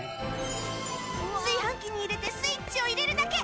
炊飯器に入れてスイッチを入れるだけ。